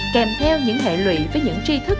kèm theo những hệ lụy với những tri trí